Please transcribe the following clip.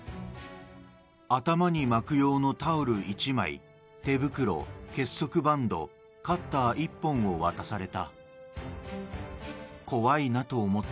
頭にまく用のタオル１枚手袋、結束バンドカッター１本を渡された。